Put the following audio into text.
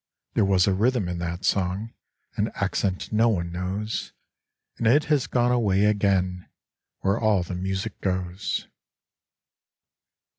There was a rhythm in that song, An accent no one knows, And it has gone away again Where all the music goes.